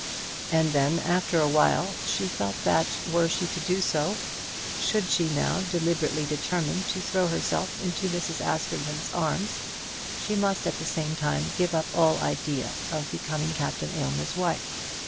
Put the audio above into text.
And then, after a while, she felt that were she to do so, should she now deliberately determine to throw herself into Mrs. Askerton's arms, she must at the same time give up all idea of becoming Captain Aylmer's wife.